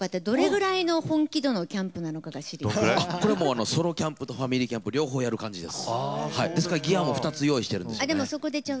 キャンプってソロキャンプとファミリーキャンプを両方やるんです。